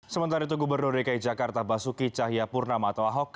sementara itu gubernur dki jakarta basuki cahayapurnama atau ahok